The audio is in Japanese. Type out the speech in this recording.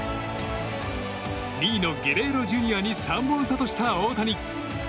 ２位のゲレーロＪｒ．に３本差とした大谷。